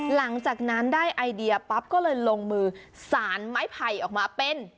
หลังจากนั้นได้ไอเดียปั๊บก็เลยลงมือสารไม้ไผ่ออกมาเป็น